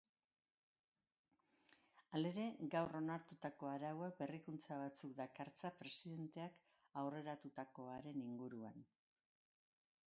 Halere, gaur onartutako arauak berrikuntza batzuk dakartza presidenteak aurreratutakoaren inguruan.